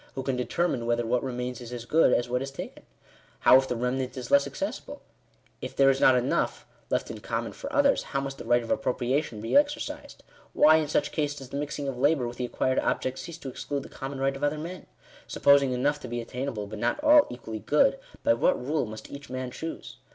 Who can determine whether what remains is " as good" as what is taken ? How if the remnant is less accessible ? If there is not enough " left in common for others," how must the right of appropriation be exercised ? Why, in such case, does the mixing of labour with the acquired objeot, cease to " ex elude the common right of other men ?" Supposing enough to be attainable, but not all equally good, by what rule must each man choose